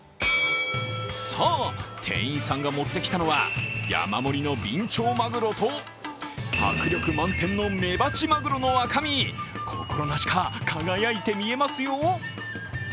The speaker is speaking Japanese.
さあ、店員さんが持ってきたのは山盛りのビンチョウマグロと迫力満点のメバチマグロの赤身心なしか輝いて見えますよ！